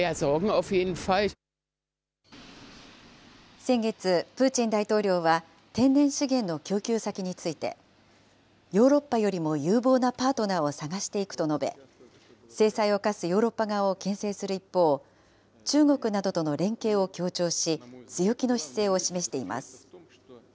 先月、プーチン大統領は、天然資源の供給先について、ヨーロッパよりも有望なパートナーを探していくと述べ、制裁を科すヨーロッパ側をけん制する一方、中国などとの連携を強調し、強気の姿勢を示しています。